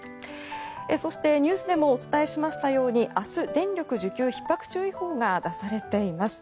そして、ニュースでもお伝えしましたように明日、電力需給ひっ迫注意報が出されています。